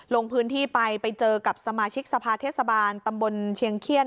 ลงพื้นที่ไปไปเจอกับสมาชิกสภาเทศบาลตำบลเชียงเครียด